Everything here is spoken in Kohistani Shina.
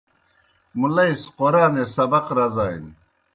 مُلئی سہ قرآنے سبق رزانیْ۔